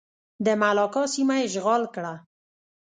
د ملاکا سیمه یې اشغال کړه.